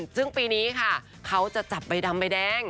ซึ่งปีนี้ค่ะเขาจะจับใบดำใบแดง